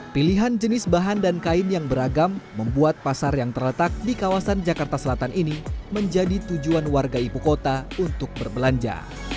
pilihan jenis bahan dan kain yang beragam membuat pasar yang terletak di kawasan jakarta selatan ini menjadi tujuan warga ibu kota untuk berbelanja